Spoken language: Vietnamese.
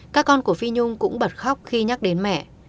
các con của phi nhung cũng bật khóc khi nhắc đến mẹ